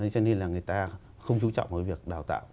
cho nên là người ta không trú trọng về việc đào tạo